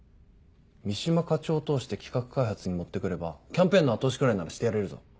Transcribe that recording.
三島課長を通して企画開発に持って来ればキャンペーンの後押しくらいならしてやれるぞ。